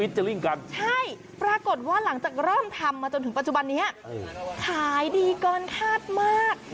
ปรากฏว่าหลังจากเริ่มทำมาจนถึงปัจจุบันนี้ขายดีเกินคาดมาก